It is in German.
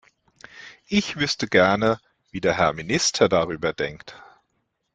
Ich wüsste gern, wie der Herr Minister darüber denkt.